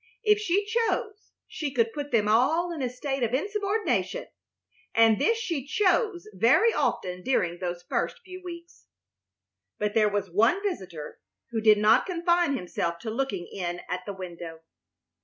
If she chose she could put them all in a state of insubordination, and this she chose very often during those first few weeks. But there was one visitor who did not confine himself to looking in at the window.